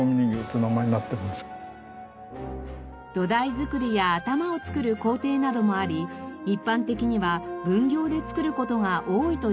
土台作りや頭を作る工程などもあり一般的には分業で作る事が多いといわれています。